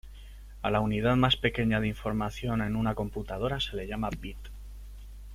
A la unidad más pequeña de información en una computadora se le llama bit.